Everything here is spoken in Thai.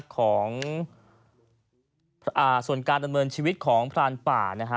ของส่วนการดำเนินชีวิตของพรานป่านะฮะ